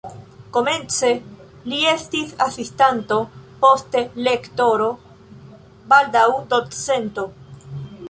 Komence li estis asistanto, poste lektoro, baldaŭ docento.